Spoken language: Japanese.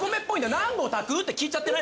何合炊くって聞いちゃってない？